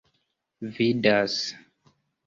vidas